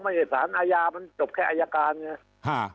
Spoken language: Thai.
ไม่ได้สารอายามันจบแค่อายาการไงฮ่า